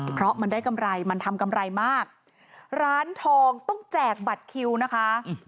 เพราะมันได้กำไรมันทำกำไรมากร้านทองต้องแจกบัตรคิวนะคะ